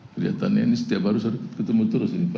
kelihatannya ini setiap hari ketemu terus ini pak